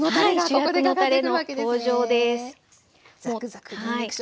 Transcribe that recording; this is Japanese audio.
主役のたれの登場です。